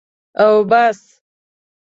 او بس.